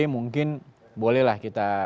mungkin bolehlah kita